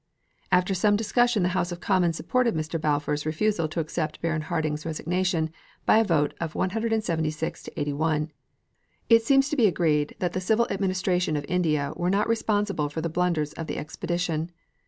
After some discussion the House of Commons supported Mr. Balfour's refusal to accept Baron Hardinge's resignation, by a vote of 176 to 81. It seems to be agreed that the civil administration of India were not responsible for the blunders of the expedition.